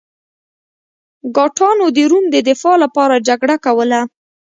ګاټانو د روم د دفاع لپاره جګړه کوله.